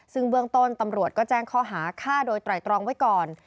ซึ่งเบื้องต้นตำรวจก็แจ้งข้อหาฆ่าโดยไตรตรองไว้ก่อน